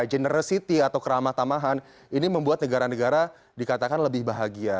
generosity atau keramatamahan ini membuat negara negara dikatakan lebih bahagia